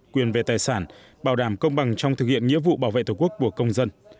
quyền về tài sản bảo đảm công bằng trong thực hiện nghĩa vụ bảo vệ tổ quốc của công dân